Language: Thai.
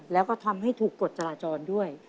แล้วก็ทำให้ถูกกฎจราจรด้วย